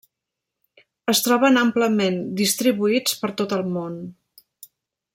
Es troben amplament distribuïts per tot el món.